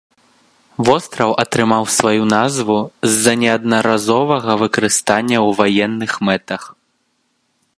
Востраў атрымаў сваю назву з-за неаднаразовага выкарыстання ў ваенных мэтах.